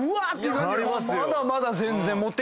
まだまだ全然。